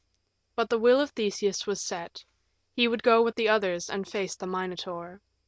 But the will of Theseus was set; he would go with the others and face the Minotaur.